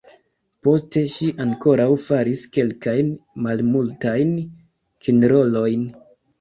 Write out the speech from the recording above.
Poste ŝi ankoraŭ faris kelkajn malmultajn kinrolojn.